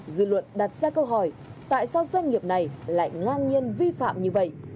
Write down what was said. dư luận đặt ra câu hỏi tại sao doanh nghiệp này lại ngang nhiên vi phạm như vậy